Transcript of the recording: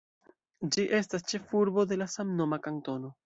Ĝi estas ĉefurbo de la samnoma kantono.